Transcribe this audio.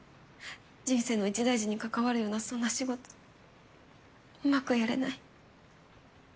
人生の一大事に関わるようなそんな仕事うまくやれない。